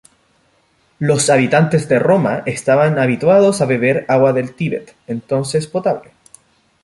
Los habitantes de Roma estaban habituados a beber agua del Tíber, entonces potable.